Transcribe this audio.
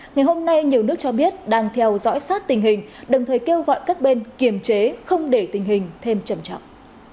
ngày hôm nay nhiều nước cho biết đang theo dõi sát tình hình đồng thời kêu gọi các bên kiềm chế không để tình hình thêm trầm trọng